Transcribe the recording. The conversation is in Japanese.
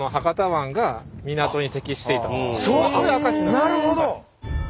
なるほど！